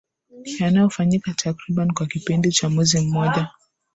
yanaofanyika takriban kwa kipindi cha mwezi mmoja